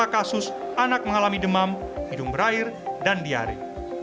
tiga kasus anak mengalami demam hidung berair dan diare